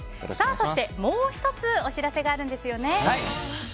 そして、もう１つお知らせがあるんですよね。